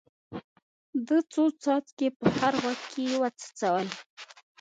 ده څو څاڅکي په هر غوږ کې وڅڅول.